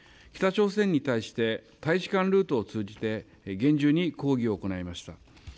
北朝鮮に対して、大使館ルートを通じて、厳重に抗議を行いました。